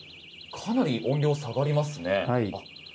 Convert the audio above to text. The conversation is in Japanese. かなり、音量下がりますね。